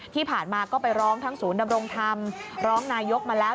ที่ผ่านมาก็ไปร้องทั้งศูนย์ดำรงธรรมร้องนายกมาแล้ว